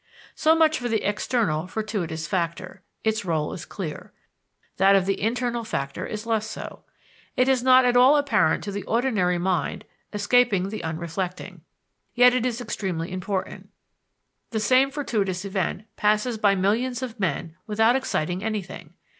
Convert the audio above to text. So much for the external, fortuitous factor; its rôle is clear. That of the internal factor is less so. It is not at all apparent to the ordinary mind, escaping the unreflecting. Yet it is extremely important. The same fortuitous event passes by millions of men without exciting anything.